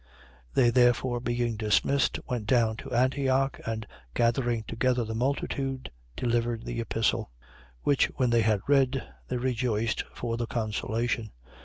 They therefore, being dismissed, went down to Antioch and, gathering together the multitude, delivered the epistle. 15:31. Which when they had read, they rejoiced for the consolation.